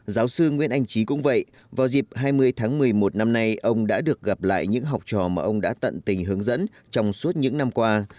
giáo sư nguyễn anh trí cũng vậy vào dịp hai mươi tháng một mươi một năm nay ông đã được gặp lại những học trò mà ông đã tận tình hướng dẫn trong suốt những năm qua